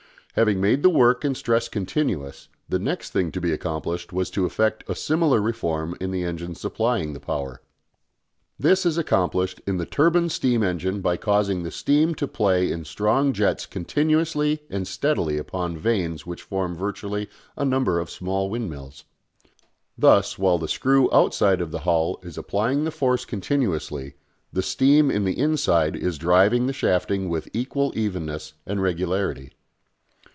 Having made the work and stress continuous, the next thing to be accomplished was to effect a similar reform in the engines supplying the power. This is accomplished in the turbine steam engine by causing the steam to play in strong jets continuously and steadily upon vanes which form virtually a number of small windmills. Thus, while the screw outside of the hull is applying the force continuously, the steam in the inside is driving the shafting with equal evenness and regularity.